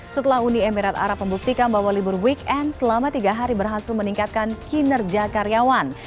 setelah uni emirat arab membuktikan bahwa libur weekend selama tiga hari berhasil meningkatkan kinerja karyawan